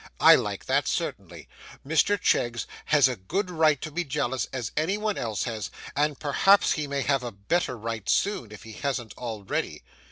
I like that, certainly. Mr Cheggs has a good a right to be jealous as anyone else has, and perhaps he may have a better right soon if he hasn't already.